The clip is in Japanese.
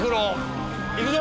行くぞ！